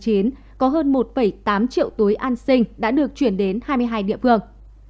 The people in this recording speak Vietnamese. có hơn một tám triệu túi an sinh đã được chuyển đến hai mươi hai địa phương